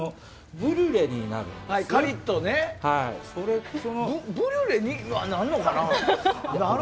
ブリュレになるのかな。